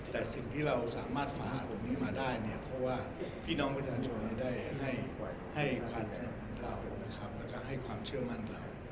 แต่สิ่งที่เราสามารถฝาตรงนี้มาได้เนี่ยเพราะว่าพี่น้องประชาชนได้ให้ความช่วยเหลือเรานะครับแล้วก็ให้ความเชื่อมั่นเรา